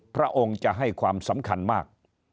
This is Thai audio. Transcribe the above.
พระองค์จะให้ความสำคัญมาก